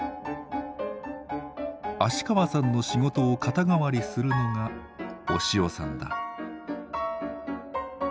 芦川さんの仕事を肩代わりするのが押尾さんだ。